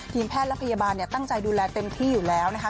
แพทย์และพยาบาลตั้งใจดูแลเต็มที่อยู่แล้วนะคะ